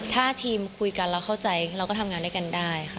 ถ้าทีมคุยกันเราเข้าใจเราก็ทำงานด้วยกันได้ค่ะ